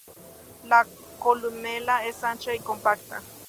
La columela es ancha y compacta.